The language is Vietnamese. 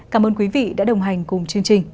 cảm ơn quý vị đã đồng hành cùng chương trình